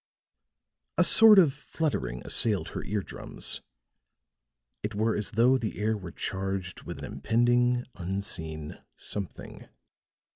A sort of fluttering assailed her ear drums; it were as though the air were charged with an impending, unseen something.